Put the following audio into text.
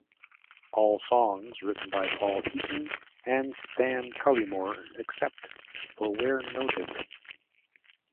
All songs written by Paul Heaton and Stan Cullimore, except for where noted.